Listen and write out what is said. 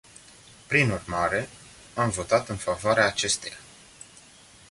Prin urmare, am votat în favoarea acesteia.